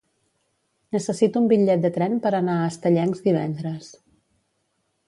Necessito un bitllet de tren per anar a Estellencs divendres.